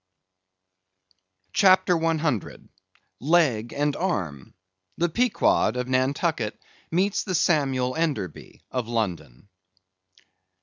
CHAPTER 100. Leg and Arm. The Pequod, of Nantucket, Meets the Samuel Enderby, of London.